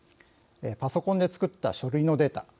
パソコンで作った書類のデータ